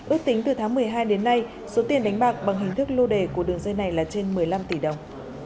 ước tính từ tháng một mươi hai đến nay số tiền đánh bạc bằng hình thức lô đề của đường dây này là trên một mươi năm tỷ đồng